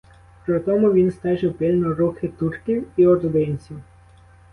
При тому він стежив пильно рухи турків і ординців.